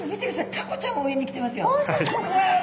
タコちゃんも上に来てますよ。